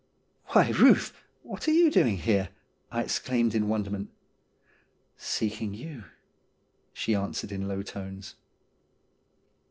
' Why, Euth, what are you doing here ?' I exclaimed in wonderment. ' Seeking you,' she answered in low tones.